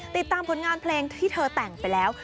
ติดตามผลงานเพลงที่เธอแต่งไปแล้ว